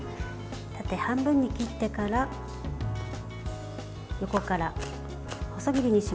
縦半分に切ってから横から細切りにします。